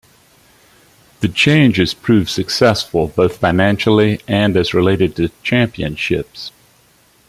The change has proved successful, both financially and as related to championships.